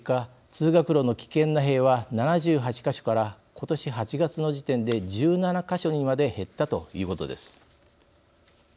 通学路の危険な塀は７８か所から今年８月の時点で１７か所にまで減ったということです。